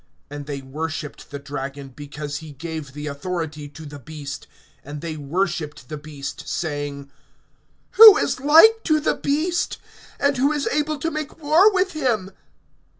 (4)And they worshiped the dragon, because he gave the authority to the beast; and they worshiped the beast, saying: Who is like to the beast, and who is able to make war with him?